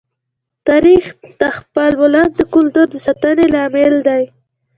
تاریخ د خپل ولس د کلتور د ساتنې لامل دی.